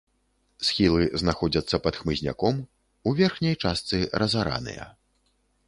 Схілы знаходзяцца пад хмызняком, у верхняй частцы разараныя.